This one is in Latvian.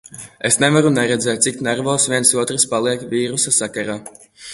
Es nevaru neredzēt, cik nervozs viens otrs paliek vīrusa sakarā.